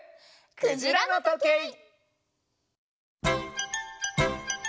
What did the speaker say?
「くじらのとけい」！